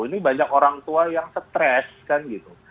ini banyak orang tua yang stress